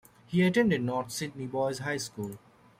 He attended North Sydney Boys High School.